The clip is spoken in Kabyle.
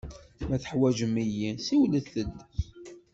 Ma teḥwaǧem-iyi, siwlet-d.